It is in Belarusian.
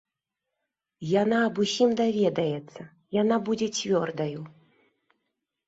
Яна аб усім даведаецца, яна будзе цвёрдаю.